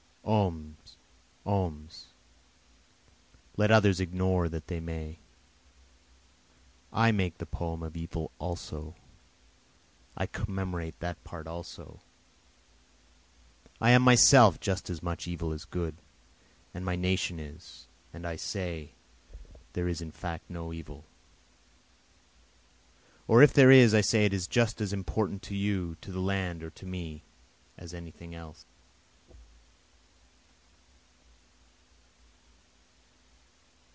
Omnes! omnes! let others ignore what they may, I make the poem of evil also, I commemorate that part also, I am myself just as much evil as good, and my nation is and I say there is in fact no evil, (Or if there is I say it is just as important to you, to the land or to me, as any thing else.)